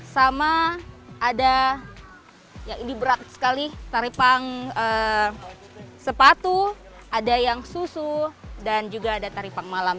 sama ada yang ini berat sekali taripang sepatu ada yang susu dan juga ada taripang malam